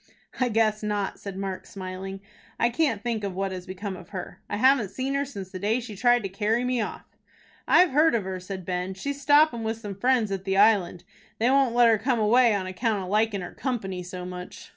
"I guess not," said Mark, smiling. "I can't think what has become of her. I haven't seen her since the day she tried to carry me off." "I've heard of her," said Ben. "She's stoppin' with some friends at the Island. They won't let her come away on account of likin' her company so much."